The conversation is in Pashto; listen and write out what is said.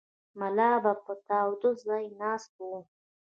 ملا به په تاوده ځای ناست و.